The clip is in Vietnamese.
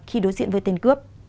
khi đối diện với tên cướp